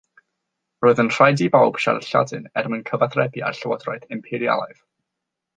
Roedd yn rhaid i bawb siarad Lladin er mwyn cyfathrebu â'r llywodraeth imperialaidd.